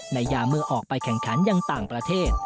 ยาเมื่อออกไปแข่งขันยังต่างประเทศ